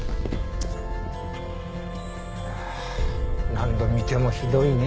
何度見てもひどいね。